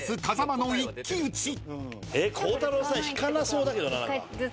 孝太郎さん引かなそうだけどな。